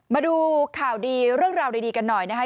มาดูข่าวดีเรื่องราวดีกันหน่อยนะคะ